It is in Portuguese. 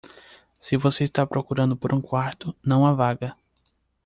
Se você está procurando por um quarto, não há vaga.